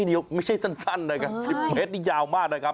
นี่ไม่ใช่สั้นนะครับ๑๐เมตรนี่ยาวมากนะครับ